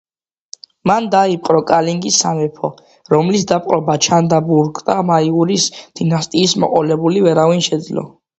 მან დაიპყრო კალინგის სამეფო, რომლის დაპყრობა ჩანდრაგუპტა მაურიას დინასტიიდან მოყოლებული ვერავინ შეძლო.